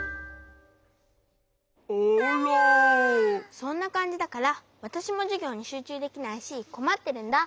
そんなかんじだからわたしもじゅぎょうにしゅうちゅうできないしこまってるんだ。